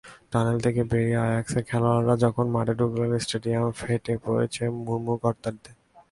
Tunnel থেকে বেরিয়ে আয়াক্সের খেলোয়াড়েরা যখন মাঠে ঢুকলেন, স্টেডিয়াম ফেটে পড়েছে মুহুর্মুহু করতালিতে।